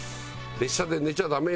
列車で寝ちゃダメよ。